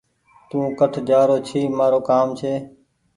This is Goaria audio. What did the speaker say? تو ڪٺ جآرو ڇي مآرو ڪآم ڇي